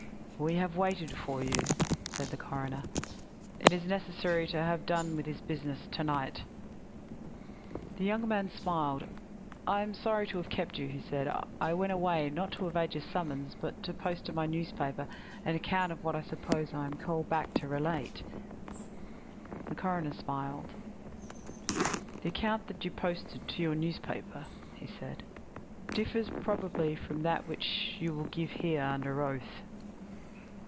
"We have waited for you," said the coroner. "It is necessary to have done with this business to night." The young man smiled. "I am sorry to have kept you," he said. "I went away, not to evade your summons, but to post to my newspaper an account of what I suppose I am called back to relate." The coroner smiled. "The account that you posted to your newspaper," he said, "differs probably from that which you will give here under oath."